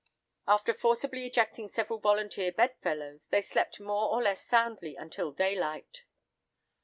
After forcibly ejecting several volunteer bedfellows, they slept more or less soundly until daylight.